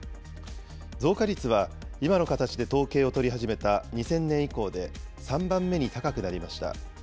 増加率は今の形で統計を取り始めた２０００年以降で３番目に高くなりました。